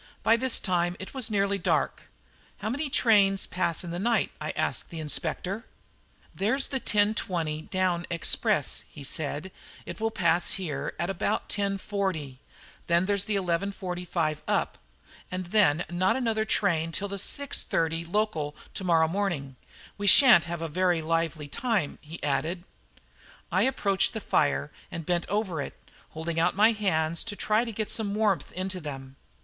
By this time it was nearly dark. "How many trains pass in the night?" I asked of the Inspector. "There's the 10.20 down express," he said, "it will pass here at about 10.40; then there's the 11.45 up, and then not another train till the 6.30 local to morrow morning. We shan't have a very lively time," he added. I approached the fire and bent over it, holding out my hands to try and get some warmth into them.